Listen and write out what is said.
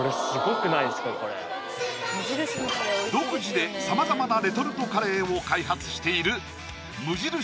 独自でさまざまなレトルトカレーを開発している無印